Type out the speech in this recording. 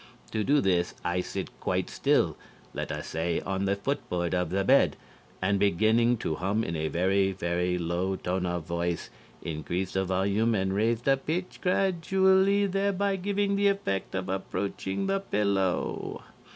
To do this, I sit quite still, let us say, on the footboard of the bed, and, beginning to hum in a very, very low tone of voice, increase the volume and raise the pitch gradually, thereby giving the effect of approaching the pillow.